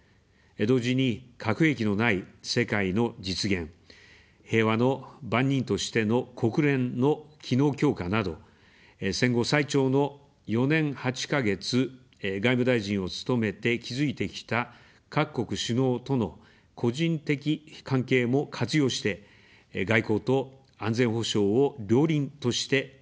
同時に、核兵器のない世界の実現、平和の番人としての国連の機能強化など、戦後最長の４年８か月、外務大臣を務めて築いてきた各国首脳との個人的関係も活用して、外交と安全保障を両輪として展開します。